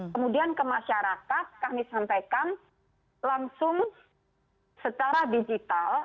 kemudian ke masyarakat kami sampaikan langsung secara digital